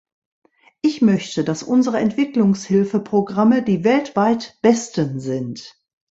Ich möchte, dass unsere Entwicklungshilfeprogramme die weltweit besten sind.